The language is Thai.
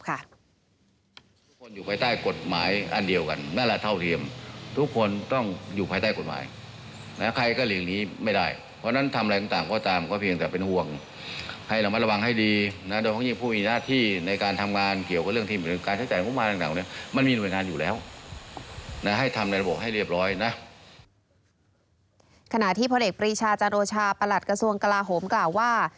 ขณะที่พลเอกปรีชาจาโรชาประหลัดกระทรวงกลาโหมกล่าวว่า